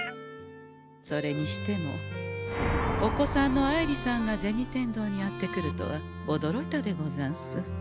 それにしてもお子さんの愛梨さんが銭天堂にやって来るとはおどろいたでござんす。